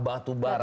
batu bara mahal